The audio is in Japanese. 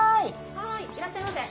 はいいらっしゃいませ！